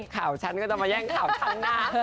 ข่าวชั้นก็จะมาแย่งข่าวชั้นน่ะ